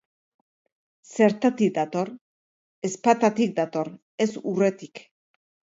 Zertatik dator? Ezpatatik dator, ez urretik.